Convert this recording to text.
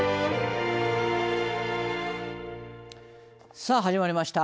さあ、始まりました。